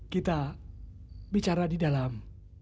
kita bicara di dalam